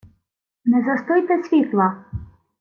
— Не застуйте світла!